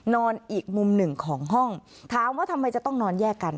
นอนอีกมุมหนึ่งของห้องถามว่าทำไมจะต้องนอนแยกกัน